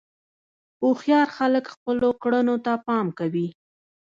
هوښیار خلک خپلو کړنو ته پام کوي.